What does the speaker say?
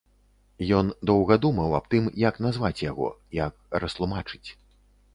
Ён доўга думаў аб тым, як назваць яго, як растлумачыць.